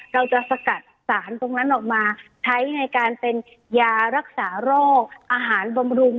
เราจะสกัดสารตรงนั้นออกมาใช้ในการเป็นยารักษาโรคอาหารบำรุง